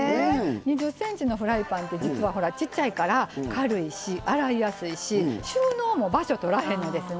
２０ｃｍのフライパンって実はほらちっちゃいから軽いし洗いやすいし収納も場所とらへんのですね。